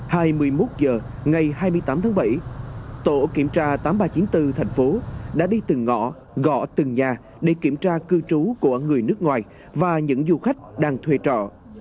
hai mươi một h ngày hai mươi tám tháng bảy tổ kiểm tra tám nghìn ba trăm chín mươi bốn thành phố đã đi từng ngõ gõ từng nhà để kiểm tra cư trú của người nước ngoài và những du khách đang thuê trọ